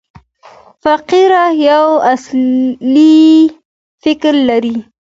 فقره یو اصلي فکر لري.